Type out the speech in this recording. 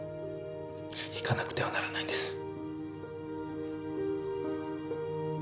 行かなくてはならないんです。